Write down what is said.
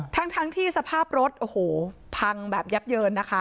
ทั้งที่สภาพรถโอ้โหพังแบบยับเยินนะคะ